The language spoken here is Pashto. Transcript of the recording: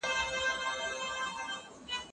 که تور اوربل مې ميراتېږي